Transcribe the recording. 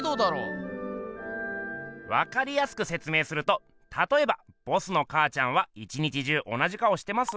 分かりやすく説明するとたとえばボスのかあちゃんは一日中同じ顔してます？